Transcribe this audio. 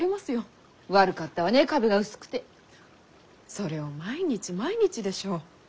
それを毎日毎日でしょ？